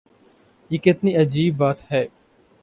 یہ کتنی عجیب بات ہے۔